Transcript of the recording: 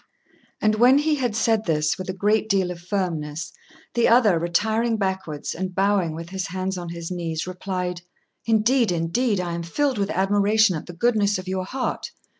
And when he had said this with a great deal of firmness, the other, retiring backwards and bowing with his hands on his knees, replied "Indeed, indeed, I am filled with admiration at the goodness of your heart.